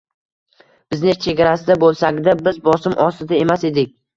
Biznes chegarasida boʻlsak-da, biz bosim ostida emas edik.